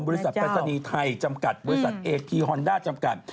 บริษัทปรายศนีย์ไทยจำกัดบริษัทเอกีฮอนด้าจำกัด